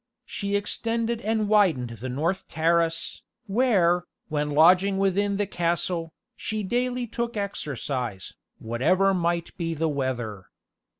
She extended and widened the north terrace, where, when lodging within the castle, she daily took exercise, whatever might be the weather.